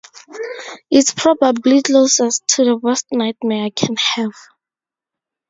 It's probably closest to the worst nightmare I can have.